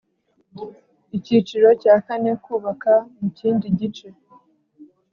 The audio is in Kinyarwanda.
Icyiciro cya kane Kubaka mu kindi gice